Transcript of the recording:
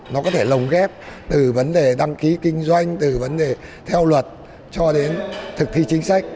nó có thể lồng ghép từ vấn đề đăng ký kinh doanh từ vấn đề theo luật cho đến thực thi chính sách